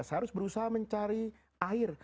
seharusnya berusaha mencari air